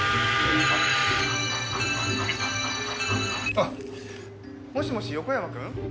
あっもしもし横山君？